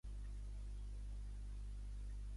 Ximo Garrido no toca la bateria malament, que diguem.